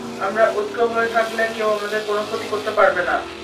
আমরা ঐক্য হয়ে থাকলে কেউ আমাদের কোন ক্ষতি করতে পারবে না।